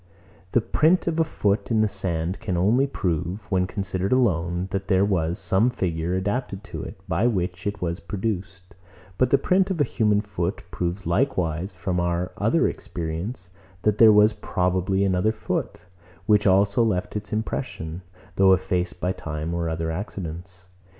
The print of a foot in the sand can only prove, when considered alone, that there was some figure adapted to it, by which it was produced: but the print of a human foot proves likewise, from our other experience, that there was probably another foot, which also left its impression, though effaced by time or other accidents.